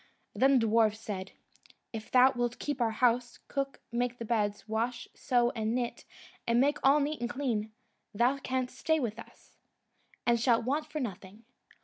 Then the dwarfs said, "If thou wilt keep our house, cook, make the beds, wash, sew and knit, and make all neat and clean, thou canst stay with us, and shalt want for nothing."